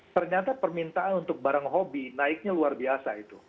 ternyata permintaan untuk barang hobi naiknya luar biasa itu